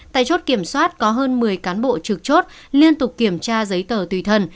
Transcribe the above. tại chốt kiểm soát có hơn một mươi cán bộ trực chốt liên tục kiểm tra giấy tờ tùy thân